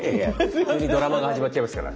普通にドラマが始まっちゃいますから。